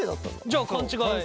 じゃあ勘違い。